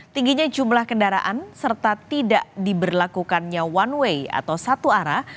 tingginya jumlah kendaraan serta tidak diberlakukannya one way atau satu arah